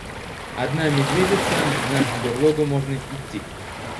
Одна медведица, на берлогу можно итти.